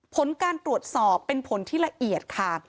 ผลการตรวจสอบเป็นผลที่ละเอียดค่ะ